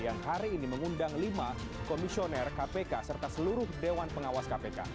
yang hari ini mengundang lima komisioner kpk serta seluruh dewan pengawas kpk